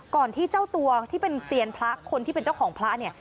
ที่เจ้าตัวที่เป็นเซียนพระคนที่เป็นเจ้าของพระเนี่ย